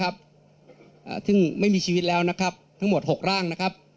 ซึ่งไม่มีชีวิตแล้วทั้งหมด๖ร่าง